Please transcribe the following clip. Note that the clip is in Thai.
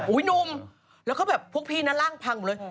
หนุ่มแล้วก็แบบพวกพี่นั้นร่างพังหมดเลย